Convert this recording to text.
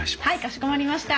かしこまりました。